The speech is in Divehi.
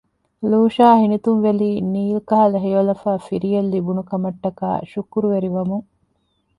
ލޫޝާ ހިނިތުންވެލީ ނީލް ކަހަލަ ހެޔޮލަފާ ފިރިއެއް ލިބުނުކަމަށްޓަކައި ޝުކުރުވެރިވަމުން